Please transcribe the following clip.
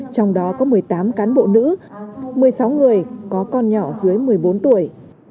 trong đó có một mươi tám cán bộ nữ một mươi sáu người có con nhỏ dưới một mươi bốn tuổi